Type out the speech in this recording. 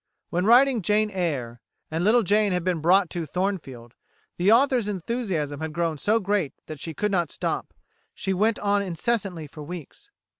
"[120:A] When writing "Jane Eyre," and little Jane had been brought to Thornfield, the author's enthusiasm had grown so great that she could not stop. She went on incessantly for weeks.